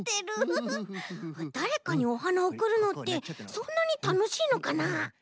だれかにおはなをおくるのってそんなにたのしいのかな？